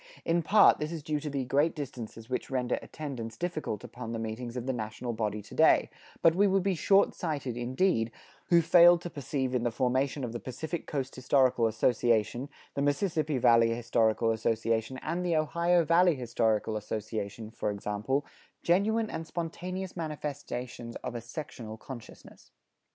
In part this is due to the great distances which render attendance difficult upon the meetings of the national body to day, but we would be short sighted, indeed, who failed to perceive in the formation of the Pacific Coast Historical Association, the Mississippi Valley Historical Association, and the Ohio Valley Historical Association, for example, genuine and spontaneous manifestations of a sectional consciousness.